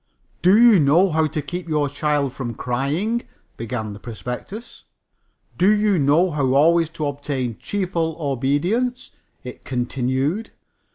"Do you know how to keep the child from crying?" began the prospectus. "Do you know how always to obtain cheerful obedience?" it continued.